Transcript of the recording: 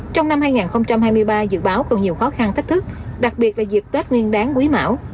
trong năm hai nghìn hai mươi ba dự báo còn nhiều khó khăn thách thức đặc biệt là dịp tết nguyên đáng quý mão